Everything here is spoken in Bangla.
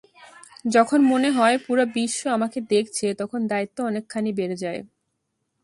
যখন মনে হয়, পুরো বিশ্ব আমাকে দেখছে, তখন দায়িত্ব অনেকখানি বেড়ে যায়।